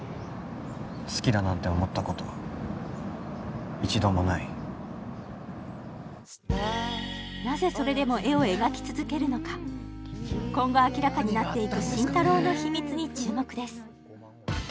好きだなんて思ったことは一度もないなぜそれでも絵を描き続けるのか今後明らかになっていく真太郎の秘密に注目です